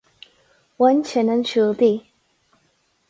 Bhain sin an siúl di.